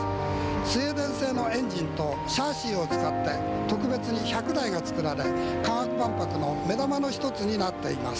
スウェーデン製のエンジンとシャーシーを使って特別に１００台がつくられ科学万博の目玉の１つになっています。